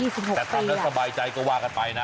แต่ทำแล้วสบายใจก็ว่ากันไปนะ